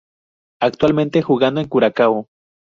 Actualmente jugando en curacao.